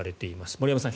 森山さん